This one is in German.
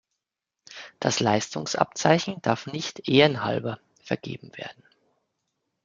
Das Leistungsabzeichen darf nicht „ehrenhalber“ vergeben werden.